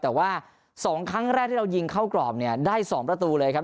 แต่ว่า๒ครั้งแรกที่เรายิงเข้ากรอบเนี่ยได้๒ประตูเลยครับ